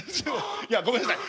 いやごめんなさい。